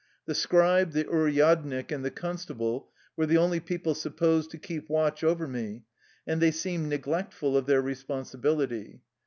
The scribe, the uryadnik, and the constable were the only people supposed to keep watch over me, and they seemed neglectful of their re sponsibility.